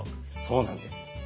そうなんです。